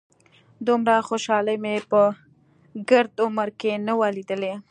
دومره خوشالي مې په ګرد عمر کښې نه وه ليدلې.